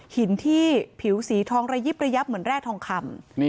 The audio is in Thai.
หินที่ผิวสีทองระยิบระยับเหมือนแร่ทองคำ